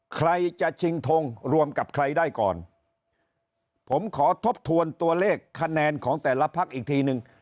ใครจะชิงทงรวมกับใครได้ก่อนผมขอทบทวนตัวเลขคะแนนของแต่ละพักอีกทีนึง